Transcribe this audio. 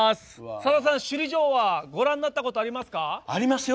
さださん、首里城はご覧になったことはありますか？